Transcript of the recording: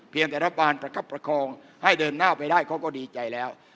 รัฐบาลประคับประคองให้เดินหน้าไปได้เขาก็ดีใจแล้ว